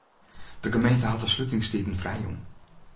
De gemeente hat de slutingstiden frijjûn.